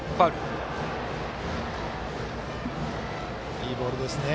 いいボールですね。